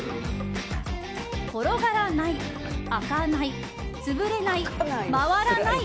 転がらない、開かない潰れない、回らない。